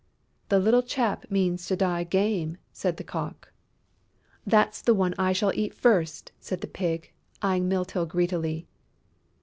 "The little chap means to die game!" said the Cock. "That's the one I shall eat first," said the Pig, eyeing Mytyl greedily.